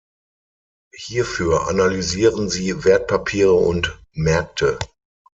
Hierfür analysieren sie Wertpapiere und Märkte.